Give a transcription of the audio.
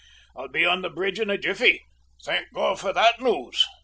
"I'll be on the bridge in a jiffey! Thank God for that news!"